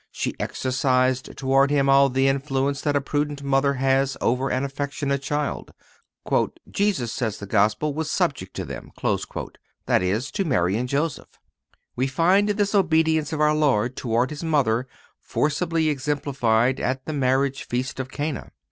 She exercised toward Him all the influence that a prudent mother has over an affectionate child. "Jesus," says the Gospel, "was subject to them"(263)—that is, to Mary and Joseph. We find this obedience of our Lord toward His Mother forcibly exemplified at the marriage feast of Cana.